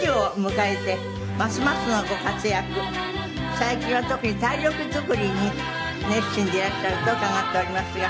最近は特に体力作りに熱心でいらっしゃると伺っておりますが。